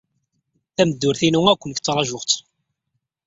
Tameddurt-inu akk nekk ttṛajuɣ-tt.